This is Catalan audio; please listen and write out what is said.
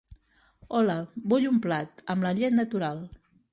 Hola, vull un plat, amb la llet natural.